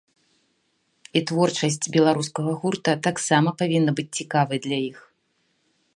І творчасць беларускага гурта таксама павінна быць цікавай для іх.